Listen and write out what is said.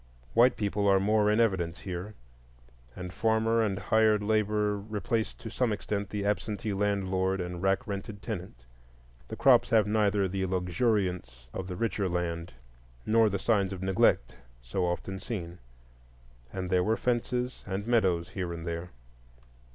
White people are more in evidence here, and farmer and hired labor replace to some extent the absentee landlord and rack rented tenant. The crops have neither the luxuriance of the richer land nor the signs of neglect so often seen, and there were fences and meadows here and there.